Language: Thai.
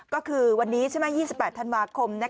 ก็คือวันนี้ใช่ไหม๒๘ธันวาคม